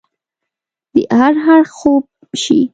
د هر اړخ خوب شي